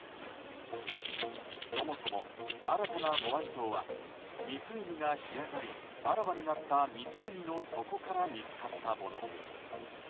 そもそも、新たなモアイ像は湖が干上がりあらわになった湖の底から見つかったもの。